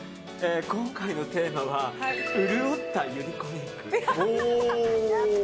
今回のテーマは潤ったゆり子メイク。